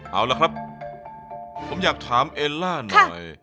เอาละครับผมอยากถามเอลล่าหน่อย